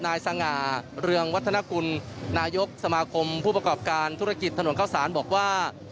สง่าเรืองวัฒนกุลนายกสมาคมผู้ประกอบการธุรกิจถนนข้าวสารบอกว่า